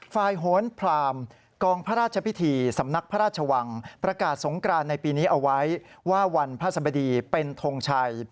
โหนพรามกองพระราชพิธีสำนักพระราชวังประกาศสงกรานในปีนี้เอาไว้ว่าวันพระสบดีเป็นทงชัย